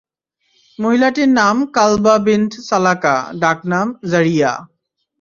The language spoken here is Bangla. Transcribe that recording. মহিলাটির নাম কালবা বিনত সালাকা, ডাকনাম যারীআ।